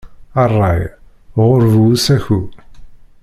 Ṛṛay, ɣuṛ bu usaku.